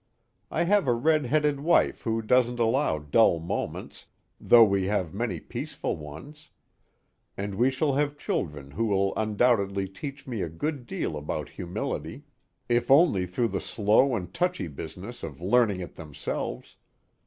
I have a redheaded wife who doesn't allow dull moments, though we have many peaceful ones, and we shall have children who will undoubtedly teach me a good deal about humility, if only through the slow and touchy business of learning it themselves.